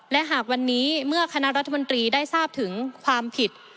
และหากวันนี้เมื่อคณะรัฐมนตรีได้ทราบถึงความผิด